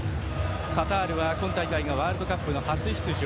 カタールは今大会ワールドカップ初出場。